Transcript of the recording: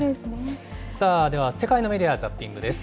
さあでは、世界のメディア・ザッピングです。